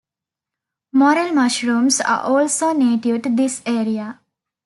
Morel mushrooms are also native to this area.